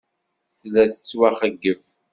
Tella tettwaxeyyeb.